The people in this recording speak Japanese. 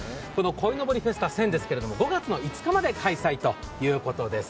こいのぼりフェスタ１０００ですけど５月５日まで開催ということです。